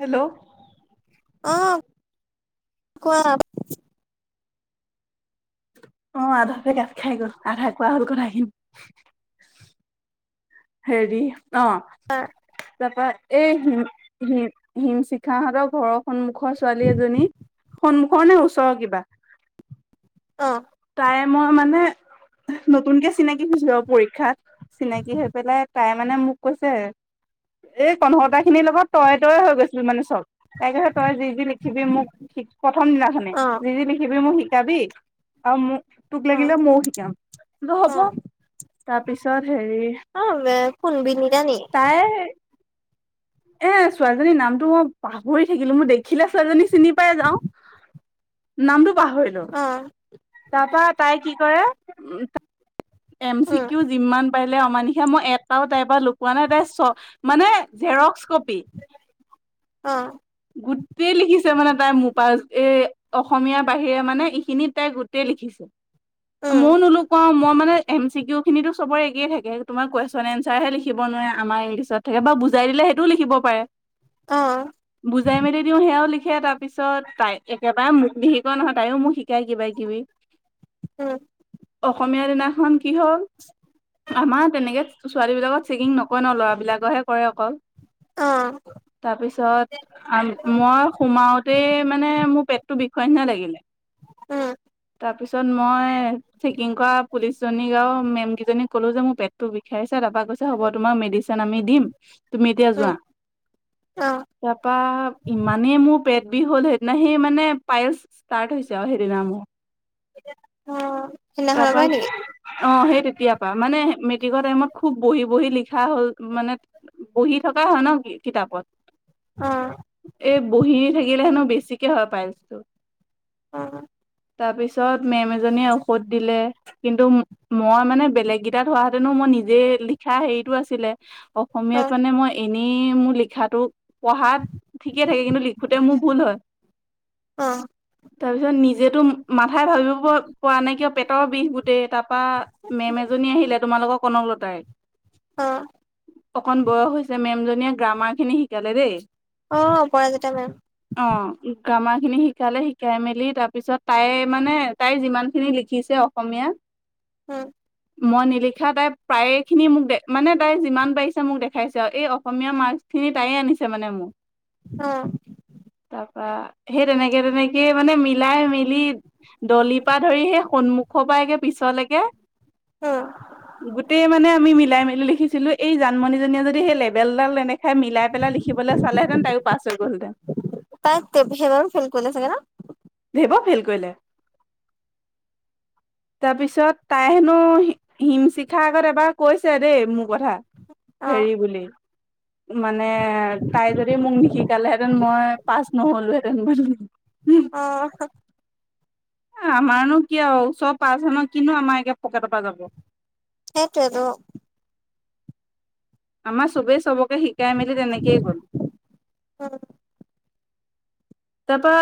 Hello. অ' কোৱা। অ' আধাতে কাট খাই গ'ল আধা কোৱা হ'ল কথাখিনী। হেৰি অ। [unintelligible] তাৰপৰাএই হিম হিম হিম শিখাাহঁতৰ ঘৰৰ সন্মুখৰ ছোৱালী এজনী সন্মুখৰ নে ওচৰৰ কিবা। অ'। তাই মই মানে নতুনকে চিনাকি হৈছিলো আৰু পৰীক্ষাত। চিনাকি হৈ পেলাই তাই মানে মোক কৈছে। এই কন্ধটা খিনিৰ লগত তয়ে তয়ে হৈ গৈছিলো মানে চব। তাই কৈছে তই যি যি লিখিবি মোক প্ৰথম দিনাখনি অ', যি যি লিখিবি মোক শিকাবি। আৰু মোক তোক অ', লাগিলে ময়ও শিকাম হ'ব অ', তাৰপিছত হেৰি অ' বে কোন বিনীতা নি। তাই হে। এ ছোৱালীজনীৰ নামটো মই পাহৰি থাকিলো মই দেখিলে ছোৱালীজনী চিনি পাই যাওঁ। নামটো পাহৰিলোঁ। অ', তাৰ পৰা তাই কি কৰে এম চি উম, কিও যিমান পাৰিলে অমানিশা মই এটাও তাইৰ পৰা লুকোৱা নাই তাইৰ চ মানে জেৰক্স কপি। অ'। গোটেই লিখিছে মানে তাই মোৰ পৰা এ! অসমীয়াৰ বাহিৰে মানে এইখিনি তাই গোটেই লিখিছে। উম, মইয়ো নোলোকাওঁ মই মানে এম চি কি ইউ খিনিতো চবৰে থাকে তোমাৰ কুৱেশ্যন এঞ্চাৰহে লিখিব নোৱাৰে আমাৰ ইংলিছত। তাকেবা বুজাই দিলে সেইটোও লিখিব পাৰে। অ'। বুজাই মেলি দিও সেয়াও লিখে তাৰ পিছত তাই একেবাৰে মোক নিশিকিওৱা নহয় তাইও মোক শিকায় কিবা- কিবি। [unintelligible] উ'ম। অসমীয়া দিনাখন কি হ'ল, আমাৰ তেনেকে ছোৱালী বিলাকত চেকিং নকৰে ন ল'ৰাবিলাকৰহে কৰে অকল। অ'। তাৰপিছত মই সোমাওতে মানে মোৰ পেটটো বিষোৱা নিচিনা লাগিলে। উ'ম। তাৰ পিছত মই চেকিং কৰা পুলিচ জনীক আৰু মেম কিজনীক ক'লো যে মোৰ পেটতটো বি খাইছা তাৰপা কৈছে হ'ব তোমাক মেডিচিন আমি দিম তুমি এতিয়া যোৱা। অঁ'। তাৰাপা ইমানে মোৰ পেট বিষ হ'ল সেইদিনা সেই মানে পায়লচ ষ্টাৰ্ট হৈছে আৰু হেইদিনা মোৰ অ', সেইদিনাখনৰ তাৰপা পৰাই নেকি? অঁ', সেই তেতিয় পৰা মানে মেট্ৰিকৰ টাইমত খুব বহি, বহি লিখা হ'ল মানে। বহি থকা হয় ন কিতাপত। অঁ। এই বহী থাকিলে হেনো বেছিকে হয় পাইন্ঞ্চটো। অঁ। তাৰপিছত মেম এজনীয়ে ঔষধ দিলে, কিন্তু মই মানে বেলেগ গেইটাত হোৱাহতেনো মই নিজে লিখা হেৰিটো আছিলে। অসমীয়াত অ', মানে মই এনেই মোৰ লিখাটো পঢ়াত ঠিকে থাকে, কিন্তু লিখোতে মোৰ ভুল হয়। অঁ। তাৰ পিছত নিজেতো মাথাই ভাবিব পৰা নাই কিয় পেটৰ বিষ গোটেই তাত। তাৰপা মেম এজনী আহিলে তোমালোকৰ কনক লতাই। অ', অকন বয়স হৈছে মেম জনীয়ে গ্ৰামাৰ খিনি শিকালে দেই। অ', অপৰাজিতা মেম। অঁ গ্ৰামাৰ খিনি শিকালে শিকাই মেলি তাৰ পিছত তাই মানে তাই যিমান খিনি লিখিছে, অ'। অসমীয়াত হু'ম। মই নিলিখা তাই প্ৰায়েখিনি মোক দে মানে তাই যিমান পাৰিছে মোক দেখাইছে আৰু এই অসমীয়া মাৰ্কখিনিত তায়ে আনিছে মানে মোক। উম'। তাৰপা সেই তেনেকে তেনেকে মানে মিলাই মিলি দলিপা ধৰি সেই সন্মুখৰপা একে পিছলেকে। উম, গোটেই মানে আমি মিলাই মেলি লেখিছিলো। এই জানমনীজনীয়ে যদি সেই লেভেলডাল নেদেখায় মিলাই পেলাই লিখবলৈ চালেহেঁতেন তায়ো পাছ হৈ গ'লহেঁতেন। তাইতে সেই বাবে ফেল কৰিলেছোগে ন? দেব ফেইেল কৰিলে। তাৰপিছত তাই হেনো হিম শিখাৰ আগত এবাৰ কৈছে দেই মোৰ কথা। অ', হেৰি বুলি। মানে তাই যদি মোক নিশিকালেহেঁতেন মই পাচ নহলোহেঁতেন পাচ। অঁ--হ্‌। এ আমাৰনো কি আও ওচৰ পাঁচ জনৰ, কিনো আমাৰ একে পকেটৰ পৰা যাব। সেইটোৱেটো। আমাৰ চবেই চবকে শিকাই মেলি তেনেকেই গ'ল। হ'য়। তাপা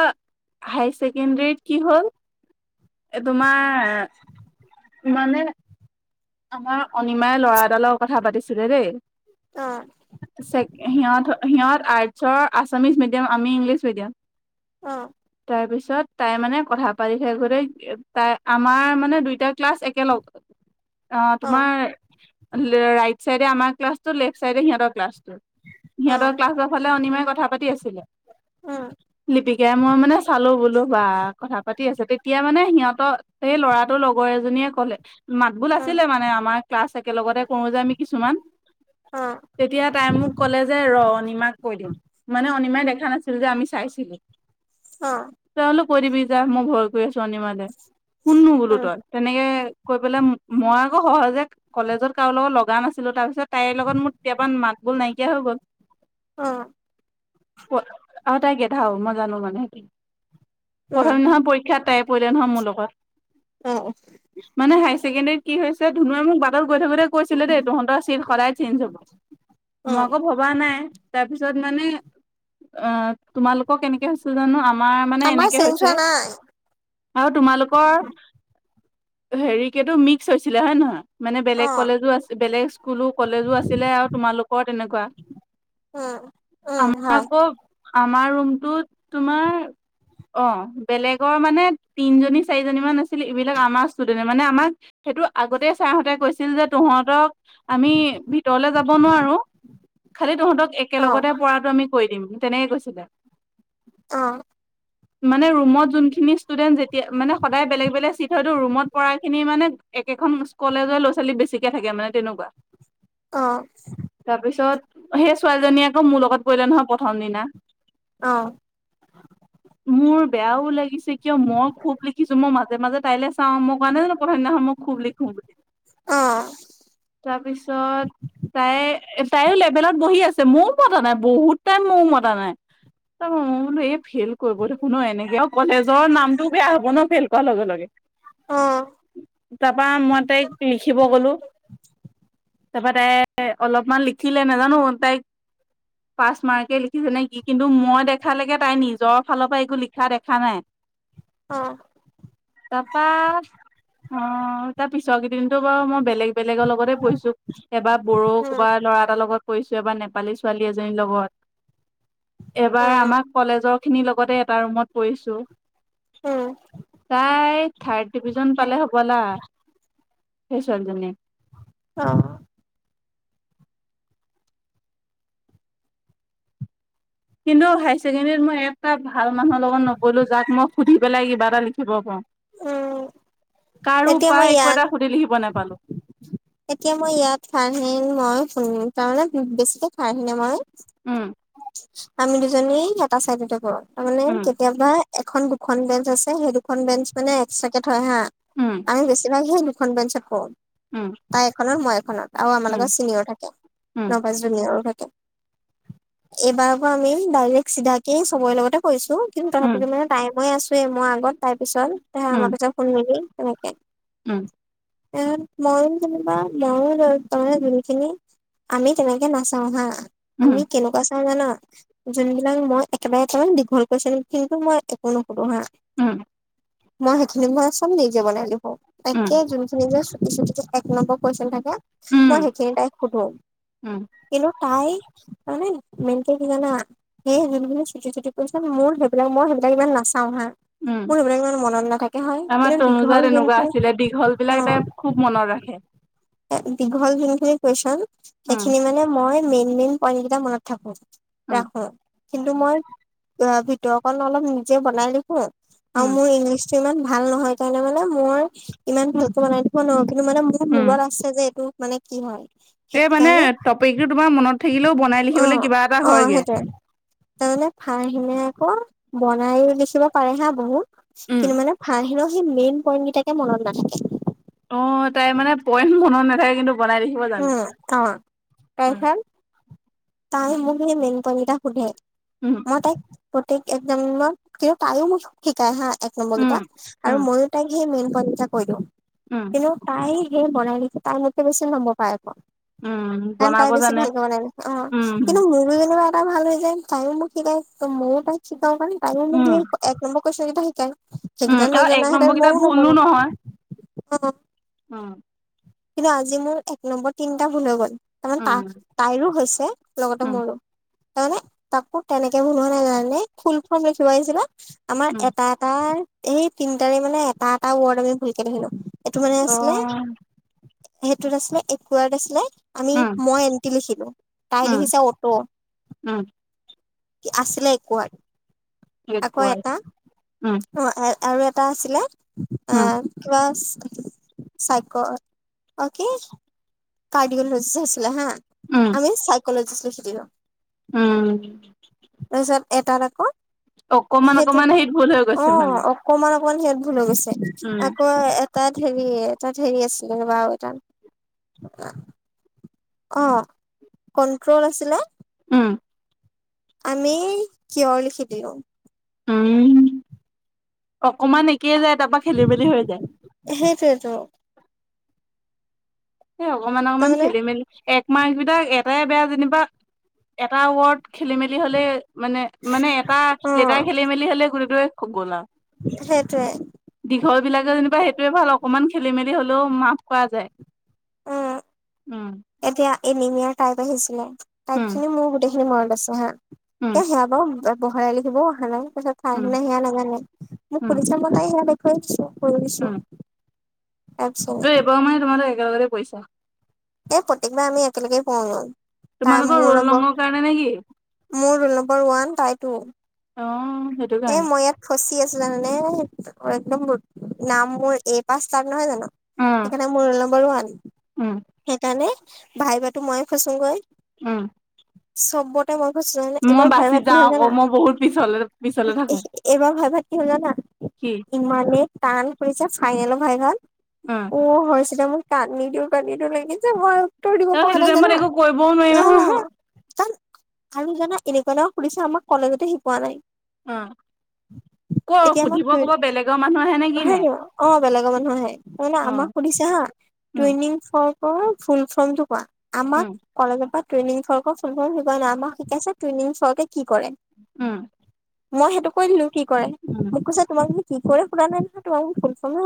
হাই চেকেণ্ডাৰীত কি হ'ল? এ তোমাৰ মানে আমাৰ অনিমাই ল'ৰা এটাৰ লগত কথা পাতিছিলে দেই অঁ। ছেক্‌- সিহঁতৰ সিহঁত আৰ্টছৰ আছামিছ মিডিয়াম, আমি ইংলিছ মিডিয়াম। অ', তাৰপিছত? তাই মানে কথা পাতি থাকোটেই এ তাই, আমাৰ মানে দুইটা ক্লাছ একেলগ্ আঁ অ', তোমাৰ লে- ৰাইট চাইডে আমাৰ ক্লাছটো, লেফ্ট চাইডে সিহঁতৰ ক্লাছটো। অ', সিহঁতৰ ক্লাছৰ ফালে অনিমাই কথা পাতি আছিলে। উম, লিপিকাই মই মানে চালো বোলো বা কথা পাতি আছে। তেতিয়া মানে সিহঁতৰ সেই ল'ৰাটোৰ লগৰ এজনীয়ে ক'লে। মা বুল উম, আছিলে মানে আমাৰ ক্লাছ একেলগতে কৰোঁ যে আমি কিছুমান। অ', তেতিয়া তাই মোক ক'লে যে ৰ অনিমাক কৈ দিম। মানে অনিমাই দেখা নাছিল যে আমি চাইছিলোঁ। অঁ। তই হ'লো কৈ দিবি যা মই ভয় কৰি আছো অনিমালে, কোননো বোলো উম, তই? তেনেকে কৈ পেলাই ম মই আক' সহজে কলেজত কাৰো লগত লগা নাছিলোঁ। তাৰপিছত তাইৰ লগত মোৰ তেতিয়াপা মাত-বোল নাইকিয়া হৈ গ'ল। অঁ। প আৰু তাই গেধাও মই জানোঁ মানে সেইটো। উম, প্ৰথম দিনাখন পৰী ক্ষাত তাই পৰিলে নহয় মোৰ লগত। অঁ, অহ। মানে হাই ছেকেণ্ডাৰীত কি হৈছে ধুনুৱে মোক বা টত গৈ থাকোটে কৈছিলে দেই তহঁতৰ চিট সদায় চেঞ্চ হ'ব। মই অ', আক' ভৱা নাই। তাৰপিছত মানে আ তোমালোকৰ কেনেকে হৈছ টো জানো, আমাৰ মানে আমাৰ এনেকে চেঞ্জ হৈছে হোৱা নাই আৰু তোমালোকৰ হেৰি কি এইটো মিক্স হৈছিলে হ'য় নহয়? মানে বেলেগ অ কলেজো আছি বেলেগ স্কুলো, কলেজো আছিলে আৰু তোমালোকৰ তেনেকুৱা। উম উম আমাৰ হয় আকৌ, আমাৰ ৰুমটোত তোমাৰ অঁ, বেলেগৰ মানে তিনজনী-চাৰিজনী মান আছিলে। ইবিলাক আমাৰ ষ্টুডেণ্টনে, মানে আমাক সেইটো আগতেই ছাৰহঁতে কৈছিল যে তহঁতক আমি ভিতৰলে যাব নোৱাৰো খালি তহঁতক অ একেলগটে পৰাটো আমি কৰি দিম তেনেকে কৈছিলে। অঁ। [inaudible] মানে ৰুমত যোনখিনি ষ্টুডেন্ট যেতিয়া মানে সদায় বেলেগ বেলেগ চিট হয়তো ৰুমত পঢ়াখিনি মানে একেখন কলেজৰ ল'ৰা - ছোৱালী বেছিকে থাকে মানে তেনেকুৱা। অঁ। তাৰপিছত সেই ছোৱালীজনীয়ে আক' মোৰ লগত পৰিলে নহয় প্ৰথম দিনা। অঁ। [inaudible] মোৰ বেয়াও লাগিছে কিয়? মই খুব লিখিছোঁ। মই মাজে মাজে তাইলে চাওঁ। মই কোৱা নাই জানো প্ৰথম দিনাখন মোক খুব লিখো বুলি। অঁ। তাৰপিছত তাই তাইও লেভেলত বহি আছে, ময়ও মতা নাই বহুত টাইম ময়ো মতা নাই। ত বোলো এই ফেইল কৰিব দেখোন ন এনেকে কলেজৰ নামটো বেয়া হব ন ফেইল কৰাৰ লগে লগে। অহ। তাপা মই তাইক লিখিব কলো তাপা তাই অলপমান লিখিলে নাজানো তাইক পাচ মাৰ্কে লিখিছে নে কি কিন্তু মই দেখালেকে তাই নিজৰ ফালৰ পৰা একো লিখা দেখা নাই। [unintelligible] অঁ। তাপা অ তাৰ পিছৰ কেইদিনটো বাৰু মই বেলেগ বেলেগৰ লগতে বহিছো, এবাৰ বডো উম ক'বা ল'ৰা এটাৰ লগত কৰিছো এবাৰ নেপালি ছোৱালী এজনীৰ লগত এবাৰ উম আমাক কলেজৰ খিনিৰ লগতে এটা ৰুমত পৰিছো। উম। তাই থাৰ্ড ডিভিজন পালে হ'বলা, সেই ছোৱালীজনী। অ কিন্তু হায়াৰ ছেকেণ্ডেৰীত মই এটা ভাল মানুহৰ লগত নপৰিলো যাক মই সুধি পেলাই কিবা এটা লিখিব পাওঁ উম কাৰো এতিয়া বা মই একো ইয়াত এটা সুধি লিখিব নাপালো এতিয়া মই ইয়াত খাৰহিন মই তাৰমানে বেছিকে খাই আহিমে মই উম আমি দুজনী এটা চাইডতে কৰো তাৰমানে উম কেতিয়াবা এখন দুখন বেঞ্চ আছে সেই দুখন বেঞ্চ মানে এক্সট্ৰাকে থয় হা উম আমি বেছিভাগ সেই দুখন বেঞ্চত পওঁ উম তাই এখনত মই এখনত আৰু আমাৰ লগত চিনিয়ৰ থাকে উম ন জুনিয়াৰো থাকে এইবাৰ পৰা আমি ডাইৰেক চিধাকে চবৰে লগতে কৈছো কিন্তু উম তথাপিতো মানে টাই মই আছোৱেই মই আগত তাৰ পিছত আমাৰ উম পিছত ফোন মিলি তেনেকে উম এওঁ মই যেনিবা ময়ো লয় তই যোনখিনি আমি তেনেকে নাচাও হা উম উম আমি কেনেকুৱা চাওঁ জান যোনবিলাক মই একেবাৰে কৈ দীঘল কোৱৈচনখিনি কিন্তু মই একো নোসোধোঁ হা উম মই সেইখিনি মই চম নিজে বনাই লিখো উম একে যোনখিনি যে চুটি চুটি এক নম্বৰ কুৱেশ্যন থাকে উম মই সেইখিনি তাই সোধো উম কিন্তু তাই তাৰ মানে মেইনটো কি জানা সেই যোনখিনি চুটি চুটি কোৱেচন মোৰ সেইবিলাক মই সেইবিলাক ইমান নাচাও হা উম মোৰ সেইবিলাক ইমান মনত নাথাকে হয় আমাৰ কিন্তু তনুজা দীঘল তেনেকুৱা যোনখিনি আছিলে দীঘল বিলাক অহ তাই খুব মনত ৰাখে দীঘল যোনখিনি কুৱেশ্যন উম সেইখিনি মানে মই মেইন মেইন পইন্ট কেইটা মনত থাকো উম ৰাখো কিন্তু মই ভিতৰ অকণ অলপ নিজে বনাই লিখো আৰু উম মোৰ ইংলিছটো ইমান ভাল নহয় কাৰণে মানে মোৰ ইমান ভালকে বনাই লিখিব নোৱাও কিন্তু মানে মোৰ উম মনত আছে যে এইটো মানে কি হয় এই মানে সেইকাৰণে টপিকটো তোমাৰ মনত থাকিলেও বনাই অ লিখিবলৈ কিবা এটা অ হয়গে সেইটোৱে তাৰমানে ফাৰহিনে আকৌ বনাই লিখিব পাৰে হা বহুত উম কিন্তু মানে ভাৰাহিলৰ সেই মেইন পইণ্ট কেইটাকে মনত নাথাকে অ তাই মানে পইম মনত নাথাকে কিন্তু বনাই লিখে উম তাৰপিছত তাই মোক সি মেইন পইন্ট কেইটা সুধে উম মই তাইক প্ৰত্যেক এক নম্বত কিন্তু তাইও মোৰ চব শিকাই হা এক নম্বৰ উম কিটা আৰু উম ময়ো তাইক সেই মেইন পইন কেইটা কৈ দিওঁ উম কিন্তু তাই সেই বনাই লিখি তাই মুতকে বেচি নম্বৰ পায় আক উম কাৰণ তাই বনাব বেছি জানে ভালকে বনাই, অ', উম কিন্তু মোৰ [unintelligible] টা ভাল হৈ যায় তায়ো মোক শিকাই ত ময়ো তাক শিকাও কাৰণে তাইও মোক উম এক নম্বৰ কুয়েচন কেইটা শিকাই উম সেইকেইটা আৰু এক নজনা হেতেন নম্বৰ কেইটা মইও নম্বৰ ভুলো নাপাওঁ, অঅ অ কিন্তু আজি মোৰ এক নম্বৰ তিনিটা ভুল হৈ গ'ল তাৰমানে তা উম তাইৰো হৈছে লগতে উম মোৰো তাৰমানে তাকো তেনেকে ভূল হোৱা নাই জানানে ফুল ফ্ৰম লিখিব আহিছিলে আমাৰ উম এটা এ টাৰ সেই তিনটাৰে মানে এটা এটা ৱৰ্ড আমি ভুলকে লিখিলো এইটো মানে অ আছিলে সেইটোত আছিলে একোৱাত আছিলে আমি উম মই এনটি লিখিলো তাই উম লিখিছে অটো উম উম আছিলে একোৱাত আকৌ এটা অ আৰু এটা আছিলে অ উম কিবা চাইক অও কি কাৰ্ডিওলজিষ্ট আছিলে হা উম আমি চাইকলজিষ্ট লিখি দিলোঁ উম তাৰপিছত এটাত আকৌ অকমান অকমান সেইটোতো, হেৰিত ভুল হৈ গৈছে অঁ মানে অকমান, অকমান, হিঅত ভূল হৈ গৈছে। উম আকৌ তাত হেৰি তাত হেৰি আছিলে ৰবা আৰু এটাত অ কন্ট্ৰল আছিলে। উম। আমি কিয় লিখি দিলো। উম অকমান একেই যায়, তাৰপা খেলি মেলি হৈ যায়। সেইটোৱে ত'। সে অকমান অকমান তাৰমানে খেলি মেলি। একমা এবিলাক এটাই বেয়া যেনিবা, এটা ৱৰ্ত খেলি মেলি হ'লেই মানে মানে এটা অ লেটাৰ খেলি মেলি হলে গোটেই টোৱে গ'ল আৰু। সেইটোৱে। দীঘল বিলাকে যেনিবা সেইটোৱে ভাল অকমান খেলি মেলি হলেও মাফ কৰা যায়। অ উম। এতিয়া এনিমিয়া টাইপ আহিছিলে, টাইপ উম খিনি মোৰ গোটেইখিনি মনত আছে হা। উম এ সেয়া বাৰু বহাই লিখিবও অহা নাই, তাই উম মানে সেয়া নাজানে মোক উম সুধিছে মই তাইক সেয়া দেখুৱাই দিছো, কৰি দিছো। তাৰপিছত এইবাৰু মানে তোমালোক একলগতে পইছা? এই প্ৰত্যেক বাৰে আমি একেলগে পও [unintelligible] তাই তোমালোকৰ মোৰ ৰোল নম্বৰ, ৰঙৰ কাৰণে নে কি মোৰ ৰোল নম্বৰ ওৱান, তাই টু। অ এ কাৰণে মই ইয়াত ফচি আছোঁ জানানে, একদম নাম মোৰ এ পা ষ্টাৰ্ট নহয় জানো। উম সেইকাৰণে মোৰ ৰোল নম্বৰ ওৱান, উম সেইকাৰণে ভাই ভা'তো মইে ফচোংগৈ। উম। চবতে মই ফছো জানা, মই এইবাৰ বাচি ভাই ভাত যাওঁ কি হল আকৌ জানা? মই বহুত পিছলে পিছ এইবাৰ ভাই ভাত কি হল জানা? কি ইমানে টান কৰিছে ফাইনেলৰ ভাই ভাত। উম। অ হৈছেলে মোৰ টান, ন্দি দিওঁ কান্দি দিওঁ লাগিছে ভয়। উত্তৰ দিব ত সেইটো পৰা নাই টাইমত জানা? একো কৰিবও নোৱাৰি নহয় অহ। আৰু জানা এনেকুৱা ন, সুধিছে আমাক কলেজতে শিকোৱা নাই। অ ক' এতিয়া সুধিব আমাক ক'ব বেলেগৰ ম আহে নি, অ বেলেগৰ মানুহ আহে। তাৰ মানে অ আমাক সুধিছে হা উম টেইং ফৰ্ম অ ফুল ফৰ্মটো কোৱা? আমাক উম কলেজৰ পৰা ট্ৰোইনিং ফ্ৰৰকৰ ফোল ফ্ৰম শিকাই নাই, আমাক শিকাইছে ট্ৰেইং ফ্ৰকে কি কৰে? উম। মই সেইটো কৈ দিলো, কি কৰে। উম মোক কৈছে তোমাক কি কৰে সুধা নাই নহয়, তোমাক মই ফোল ফ্ৰম হে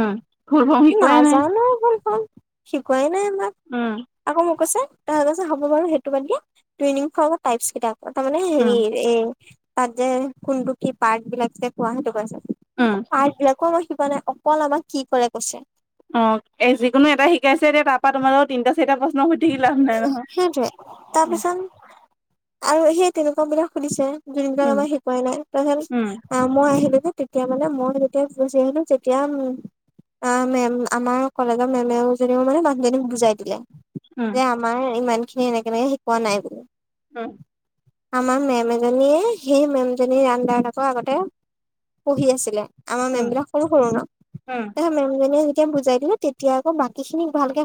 উম ভুল বম শিকোৱাই নাই নাযানো ফোল ফ্ৰম, শিকোৱাই নাই আমাক। উম। আকৌ মোক কৈছে, তই কৈছে হ'ব বাৰু সেইটো বাদ দিয়া, ট্ৰোইনিং ফ্ৰমৰ টাইপছ কেইটা? তাৰ মানে হেৰি উম এই, তাত যে কোনটো কি পাৰ্ত বিলাক যে কোৱা হয় সেইটো কৈছে। উম পাৰ্ত বিলাকো আমাক শিকোৱা নাই, অকল আমাক কি কৰে কৈছে? অ এই যিকোনো এটা শিকাইছে এতিয়া, তাৰ পৰা তোমালোকক তিনি-চাৰিটা প্ৰশ্ন সুধি থাকি লাভ নাই নহয়। তাৰ উম পিছত আৰু সেই তেনেকুৱা বিলাক সুধিছে। যোন বিলাক উম আমাক শিকোৱাই নাই, ত উম [unintelligible] আহ মই আহিলোঁ যে, তেতিয়া মানে মই যেতিয়া গুচি আহিলো, তেতিয়া উম অ মেম আমাৰ কলেজৰ মেমেওজনীও মানে মানুহজনীক বুজাই দিলে। যে আমাৰ ইমান খিনি এনেকে এনেকে শিকোৱা নাই বুলি। অ। আমাৰ মেম এজনীয়ে, সেই মেমজনীৰ আন্দাৰত আকৌ আগতে পঢ়ি আছিলে। আমাৰ উম মেমবিলাক সৰু সৰু ন, উম মেমজনীয়ে যেতিয়া বুজাই দিলে তেতিয়া আকৌ বাকীখিনিক ভালকে